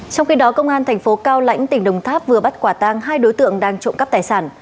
trong khi đó công an thành phố cao lãnh tỉnh đồng tháp vừa bắt quả tang hai đối tượng đang trộm cắp tài sản